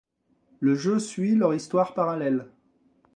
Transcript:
Le jeu suit leurs histoires parallèles.